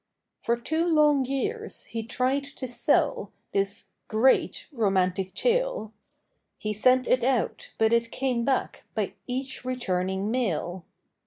For two long years he tried to sell This " great " romantic tale; He sent it out, but it came back By each returning mail.